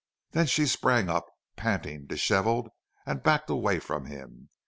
Then she sprang up, panting, disheveled, and backed away from him.